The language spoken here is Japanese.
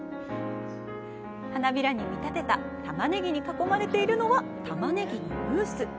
花びらに見立てたタマネギに囲まれているのはタマネギのムース。